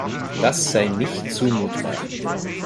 Das sei nicht zumutbar.